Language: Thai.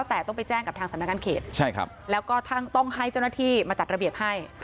แต่ต้องไปแจ้งกับทางสำนักงานเขตแล้วก็ทั้งต้องให้เจ้าหน้าที่มาจัดระเบียบให้